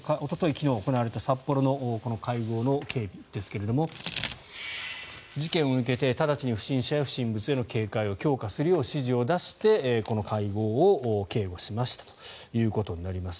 昨日行われた札幌の会合の警備ですが事件を受けて直ちに不審者や不審物への警戒を強化するよう指示を出してこの会合を警護しましたということになります。